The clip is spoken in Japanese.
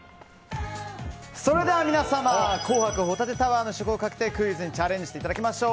それでは皆様紅白ホタテタワーの試食をかけてクイズにチャレンジしていただきましょう。